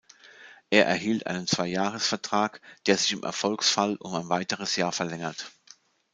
Er erhielt einen Zwei-Jahres-Vertrag, der sich im Erfolgsfall um ein weiteres Jahr verlängert.